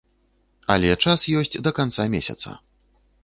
Але час ёсць да канца месяца.